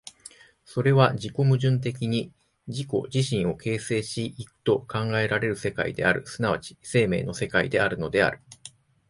それは自己矛盾的に自己自身を形成し行くと考えられる世界である、即ち生命の世界であるのである。